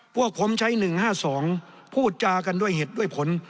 พวกผมใช้๑๕๒พูดจากันด้วยเหตุด้วยผล